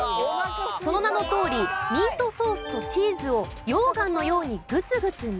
その名のとおりミートソースとチーズを溶岩のようにグツグツ煮込みます。